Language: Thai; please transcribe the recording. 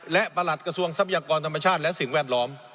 และประหลัดกระทรวงทรัพยากรธรรมชาติและสิ่งแวดล้อม